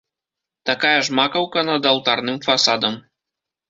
Такая ж макаўка над алтарным фасадам.